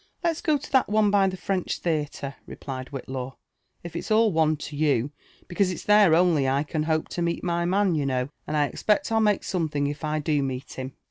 '•Let's go to that ono by the French Theatre," replied Whillaw, " if it's all one to you, because H's there only I can hope to mebl my man, you know ; and I expect I'll make something if I do meM him."